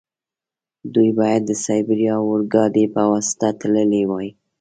دوی باید د سایبیریا اورګاډي په واسطه تللي وای.